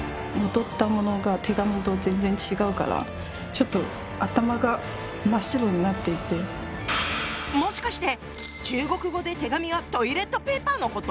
ちょっともしかして中国語で手紙はトイレットペーパーのこと？